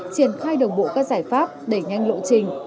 triển khai đồng bộ các giải pháp đẩy nhanh lộ trình